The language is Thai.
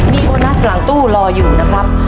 มีโบนัสหลังตู้รออยู่นะครับ